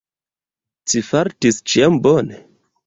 Ci fartis ĉiam bone?